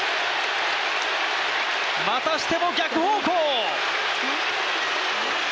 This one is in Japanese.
またしても逆方向！